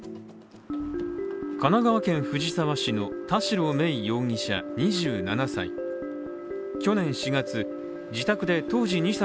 神奈川県藤沢市の田代芽衣容疑者２７歳。